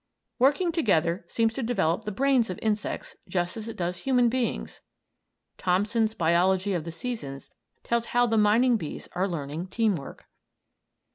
Working together seems to develop the brains of insects just as it does human beings. Thomson's "Biology of the Seasons" tells how the mining bees are learning "team work."